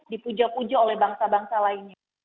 dipuja puja oleh bangsa bangsa lainnya